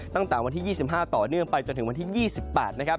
ตั้งแต่วันที่๒๕ต่อเนื่องไปจนถึงวันที่๒๘นะครับ